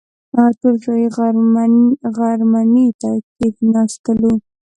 ټول شاهي غرمنۍ ته کښېنستلو.